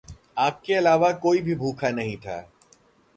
आपके अलावा कोई भी भूखा नहीं था।